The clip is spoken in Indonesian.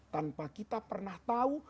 tanpa kita pernah tahu